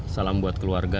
salam buat keluarga